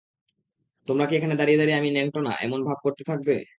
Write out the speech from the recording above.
তোমরা কি এখানে দাঁড়িয়ে দাঁড়িয়ে আমি ন্যাংটা না, এমন ভান করতে থাকবে?